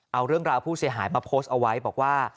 เอาเรื่องราวผู้เสียหายมาโพสต์เอาไว้บอกว่า